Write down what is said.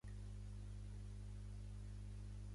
Un dona amb pantalons curts traient palades de neu.